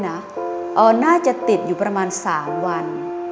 น่าจะติดอยู่ประมาณ๓วัน